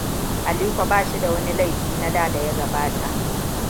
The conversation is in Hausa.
Aliko ba shi da wani laifi na da ya gabata.